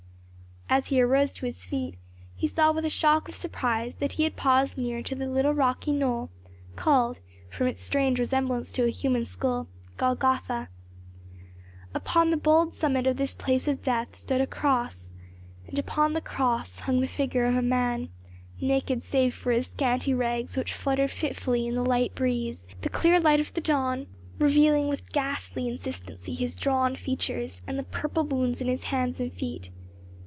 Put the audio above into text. As he arose to his feet he saw with a shock of surprise that he had paused near to the little rocky knoll, called, from its strange resemblance to a human skull, Golgotha. Upon the bald summit of this place of death stood a cross, and upon the cross hung the figure of a man naked save for his scanty rags which fluttered fitfully in the light breeze, the clear light of the dawn revealing with ghastly insistency his drawn features, and the purple wounds in his hands and feet.